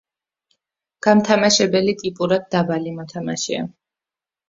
გამთამაშებელი ტიპურად დაბალი მოთამაშეა.